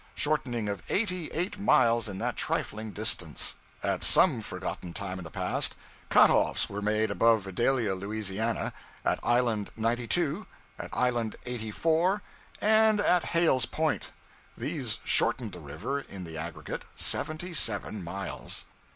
shortening of eighty eight miles in that trifling distance. At some forgotten time in the past, cut offs were made above Vidalia, Louisiana; at island 92; at island 84; and at Hale's Point. These shortened the river, in the aggregate, seventy seven miles.